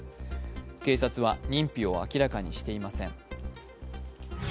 警察は認否を明らかにしていません。